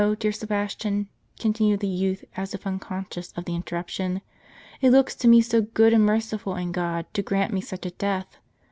"And do you know, dear Sebastian," continued the youth, as if unconscious of the interruption, " it looks to me so good and merciful in God, to grant me such a death.